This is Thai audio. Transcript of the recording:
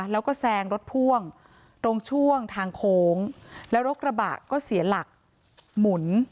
แล้วก็แซงรถพ่วงตรงช่วงทางโค้งแล้วรถกระบะก็เสียหลักหมุน